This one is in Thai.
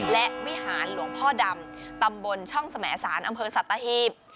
และวิหารหลวงพ่อดำตำบลช่องสมสารอำเภอสัตหีบ